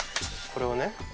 これをね